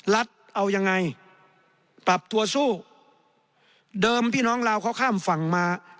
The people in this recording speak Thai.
เอายังไงปรับตัวสู้เดิมพี่น้องลาวเขาข้ามฝั่งมา